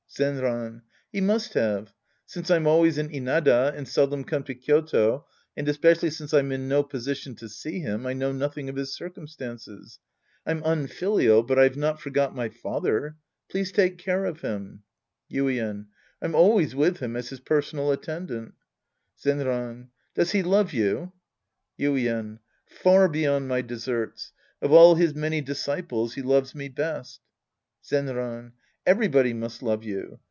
Zenran. He must have. Since I'm always in Inada and seldom come to Kyoto, and especially since I'm in no position to see him, I know nothing of his circumstances. I'm unfilial, but I've not forgot my father. Please take care of him. Yiden. I'm always with liim as his personal at tendant. Zenran. Does he love you ? Yiden. Far beyond my deserts. Of all his many disciples, he loves me best. Zenran. Everybody must love you.